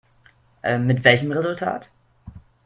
Mit welchem Resultat?